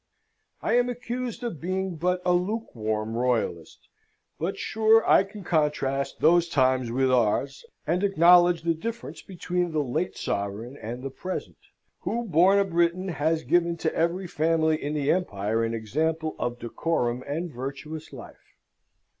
I am accused of being but a lukewarm royalist; but sure I can contrast those times with ours, and acknowledge the difference between the late sovereign and the present, who, born a Briton, has given to every family in the empire an example of decorum and virtuous life.